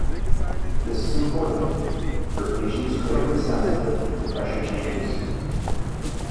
This is important for patients critically sensitive to pressure changes.